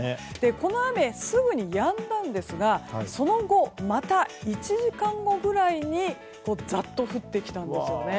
この雨、すぐにやんだんですがその後、また１時間後くらいにざっと降ってきたんですよね。